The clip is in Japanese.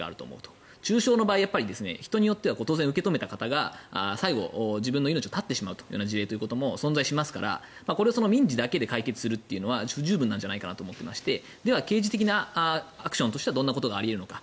中傷の場合人によっては受け止めた方が最後、自分の命を絶ってしまう事例も存在しますからこれを民事だけで解決するのは不十分じゃないかと思っていましてでは刑事的なアクションとしてはどんなことがあり得るのか。